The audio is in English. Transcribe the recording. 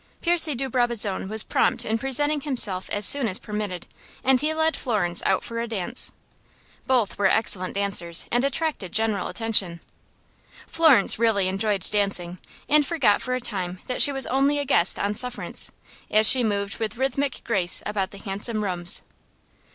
Percy de Brabazon was prompt in presenting himself as soon as permitted, and he led Florence out for a dance. Both were excellent dancers, and attracted general attention. Florence really enjoyed dancing, and forgot for a time that she was only a guest on sufferance, as she moved with rhythmic grace about the handsome rooms.